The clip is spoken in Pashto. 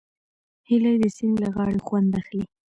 هیلۍ د سیند له غاړې خوند اخلي